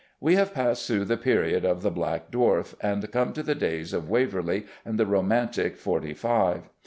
We have passed through the period of The Black Dwarf and come to the days of Waverley and the romantic "Forty five."